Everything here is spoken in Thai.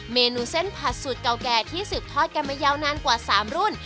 เมนูเส้นผัดสูตรเก่าแก่ที่สืบทอดกันมายาวนานกว่า๓รุ่น